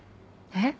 えっ？